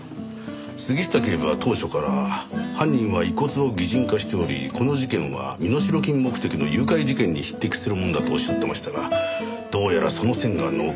杉下警部は当初から犯人は遺骨を擬人化しておりこの事件は身代金目的の誘拐事件に匹敵するものだとおっしゃっていましたがどうやらその線が濃厚。